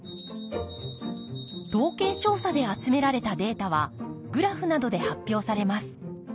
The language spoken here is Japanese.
統計調査で集められたデータはグラフなどで発表されます。